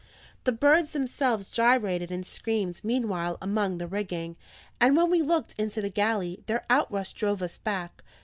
The birds themselves gyrated and screamed meanwhile among the rigging; and when we looked into the galley, their outrush drove us back.